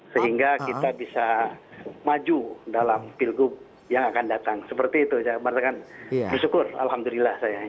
sehingga kita bisa maju dalam pilgub yang akan datang seperti itu saya merasakan bersyukur alhamdulillah saya